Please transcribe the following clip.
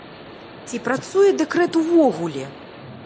Ці працуе дэкрэт увогуле?